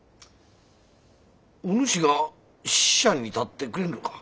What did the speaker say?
お主が使者に立ってくれるのか？